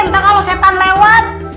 entah kalau setan lewat